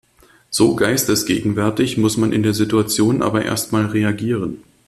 So geistesgegenwärtig muss man in der Situation aber erst mal reagieren.